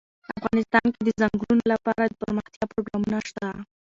افغانستان کې د ځنګلونه لپاره دپرمختیا پروګرامونه شته.